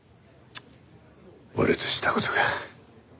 俺とした事が。